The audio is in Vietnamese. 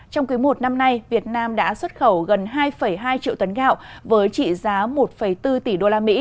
trong quý một năm nay việt nam đã xuất khẩu gần hai hai triệu tấn gạo với trị giá một bốn tỷ usd